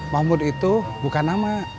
mahmud itu bukan nama